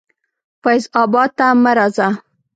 فیض آباد ته مه راځه.